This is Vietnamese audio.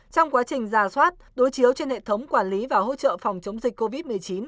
trong quá trình giả soát đối chiếu trên hệ thống quản lý và hỗ trợ phòng chống dịch covid một mươi chín